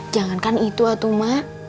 jangankan itu atu mak